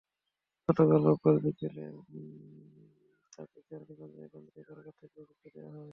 গতকাল রোববার বিকেলে তাঁকে কেরানীগঞ্জের কেন্দ্রীয় কারাগার থেকে মুক্তি দেওয়া হয়।